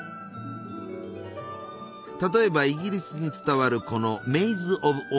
例えばイギリスに伝わるこの「メイズ・オブ・オナー」じゃ。